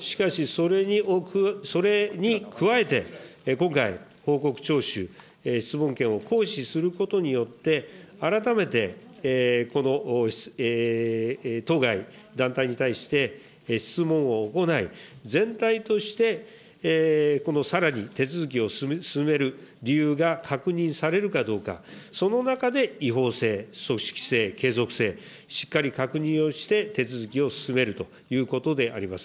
しかし、それに加えて、今回、報告徴収、質問権を行使することによって、改めてこの当該団体に対して質問を行い、全体としてこのさらに手続きを進める理由が確認されるかどうか、その中で違法性、組織性、継続性、しっかり確認をして手続きを進めるということであります。